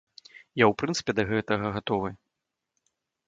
Я ў прынцыпе да гэтага гатовы.